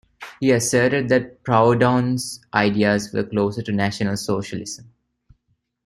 He asserted that Proudhon's ideas were closer to National Socialism.